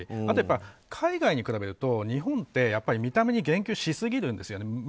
あと、海外に比べると日本って見た目に言及しすぎるんですよね